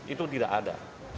itu tidak ada